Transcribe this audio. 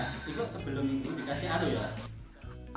nah ikut sebelum ini dikasih adu ya